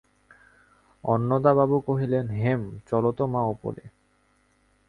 অন্নদাবাবু কহিলেন, হেম, চলো তো মা, উপরে।